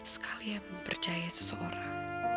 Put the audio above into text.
sekalian mempercayai seseorang